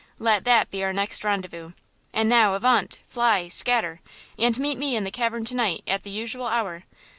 Let that be our next rendezvous! And now, avaunt! Fly! Scatter! and meet me in the cavern to night, at the usual hour!